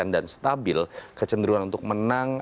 dan stabil kecenderungan untuk menang